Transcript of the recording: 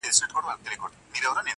نن: سیاه پوسي ده~